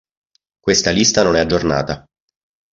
Questa lista non è aggiornata.